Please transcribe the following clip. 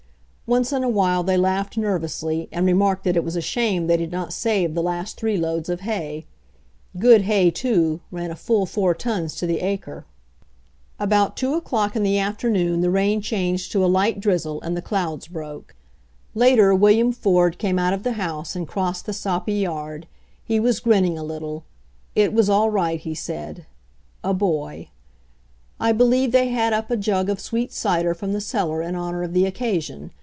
Once in a while they laughed nervously, and remarked that it was a shame they did not save the last three loads of hay. Good hay, too, ran a full four tons to the acre. About 2 o'clock in the afternoon the rain 4 HENRY FORD'S OWN STORY changed to a light drizzle and the clouds broke. Later William Ford came out of the house and crossed the soppy yard. He was grinning A little. It was all right, he said — a boy. I believe they had up a jug of sweet cider from the cellar in honor of the occasion.